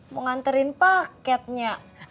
mau nganterin paketnya